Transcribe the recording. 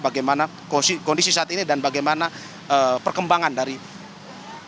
bagaimana kondisi saat ini dan bagaimana perkembangan dari tni